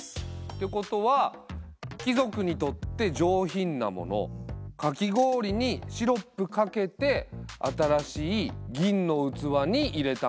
ってことは貴族にとって上品なものかき氷にシロップかけて新しい銀の器に入れたものってことだよね？